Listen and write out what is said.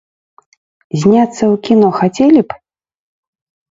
Зняцца ў кіно хацелі б???